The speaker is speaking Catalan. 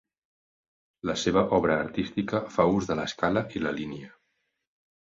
La seva obra artística fa ús de l'escala i la línia.